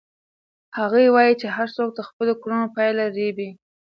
هغه وایي چې هر څوک د خپلو کړنو پایله رېبي.